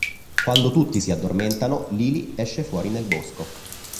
Quando tutti si addormentano, Lily esce fuori nel bosco.